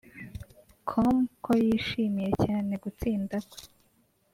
com ko yishimiye cyane gutsinda kwe